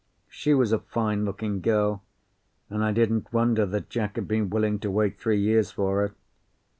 She was a fine looking girl, and I didn't wonder that Jack had been willing to wait three years for her.